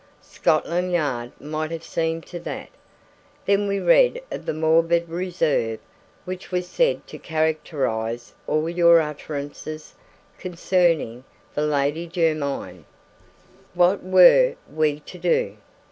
Scotland Yard might have seen to that. Then we read of the morbid reserve which was said to characterize all your utterances concerning the Lady Jermyn. What were we to do?